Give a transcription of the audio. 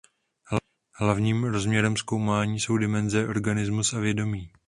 Hlavním rozměrem zkoumání jsou dimenze organismus a vědomí.